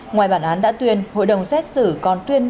ngoài bản án đã tuyên hội đồng xét xử còn tuyên